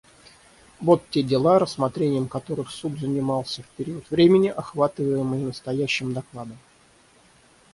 Вот те дела, рассмотрением которых Суд занимался в период времени, охватываемый настоящим докладом.